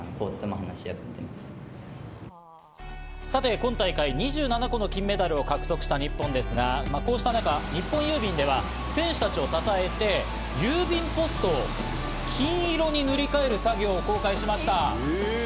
今大会２７個の金メダルを獲得した日本ですが、こうした中、日本郵便では選手たちをたたえて郵便ポストを金色に塗り替える作業を公開しました。